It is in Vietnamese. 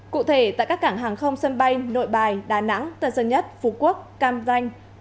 cụ thể tại các cảng hàng không sân bay nội bài đà nẵng tân sơn nhất phú quốc cam ranh